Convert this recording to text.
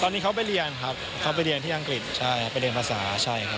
ตอนนี้เขาไปเรียนครับเขาไปเรียนที่อังกฤษใช่ครับไปเรียนภาษาใช่ครับ